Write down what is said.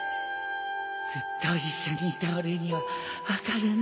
ずっと一緒にいた俺には分かるんだ